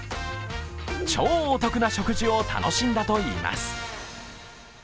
超お得な食事を楽しんだといいます。